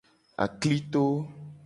Aklito.